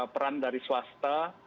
peran dari swasta